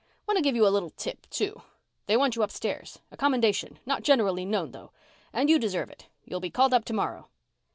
"Want to give you a little tip, too. They want you upstairs. A commendation. Not generally known, though. And you deserve it. You'll be called up tomorrow."